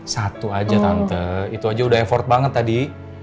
satu aja tante itu aja udah effort banget tadi